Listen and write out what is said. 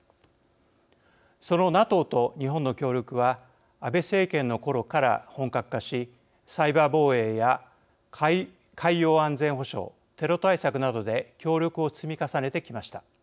そのＮＡＴＯと日本の協力は安倍政権のころから本格化しサイバー防衛や海洋安全保障テロ対策などで協力を積み重ねてきました。